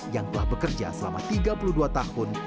yang telah bekerja selama tiga puluh dua tahun